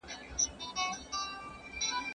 زه اجازه لرم چې کتاب واخلم،